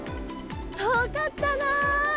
遠かったな。